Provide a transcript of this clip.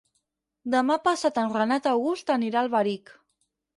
Demà passat en Renat August anirà a Alberic.